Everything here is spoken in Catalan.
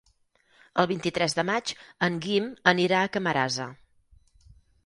El vint-i-tres de maig en Guim anirà a Camarasa.